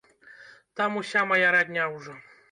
Там уся мая радня ўжо.